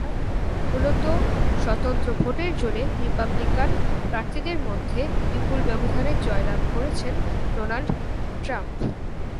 মূলত, স্বতন্ত্র ভোটের জোরে রিপাবলিকান প্রার্থীদের মধ্যে বিপুল ব্যবধানে জয়লাভ করেছেন ডোনাল্ড ট্রাম্প।